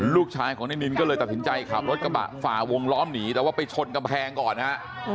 ลูกชายของนายนินก็เลยตัดสินใจขับรถกระบะฝ่าวงล้อมหนีแต่ว่าไปชนกำแพงก่อนนะฮะ